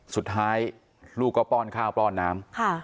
สุดท้ายลูกก็ป้อนข้าวป้อนน้ำ